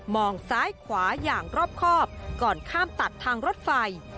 ซ้ายขวาอย่างรอบครอบก่อนข้ามตัดทางรถไฟ